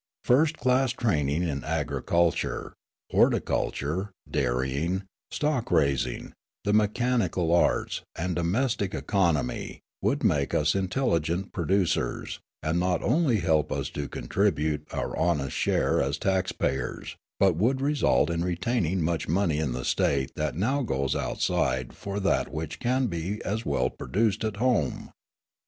First class training in agriculture, horticulture, dairying, stock raising, the mechanical arts, and domestic economy, would make us intelligent producers, and not only help us to contribute our honest share as tax payers, but would result in retaining much money in the State that now goes outside for that which can be as well produced at home.